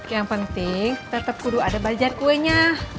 yang penting tetap kudu ada bajar kuenya